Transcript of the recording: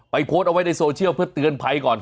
โพสต์เอาไว้ในโซเชียลเพื่อเตือนภัยก่อน